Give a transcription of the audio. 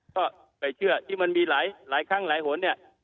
ก็ไปเชื่อที่มันมีหลายครั้งหลายหนเนี่ย